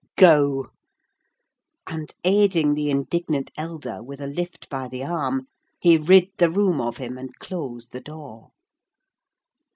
Go—" And, aiding the indignant elder with a lift by the arm, he rid the room of him and closed the door.